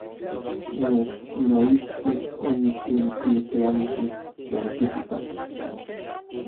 Nej noijki onikintitlanki tlaltikpak.